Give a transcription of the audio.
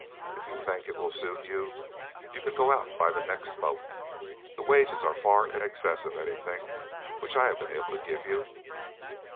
If you think it will suit you, you can go out by the next boat. The wages are far in excess of anything which I have been able to give you."